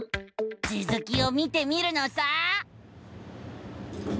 つづきを見てみるのさ！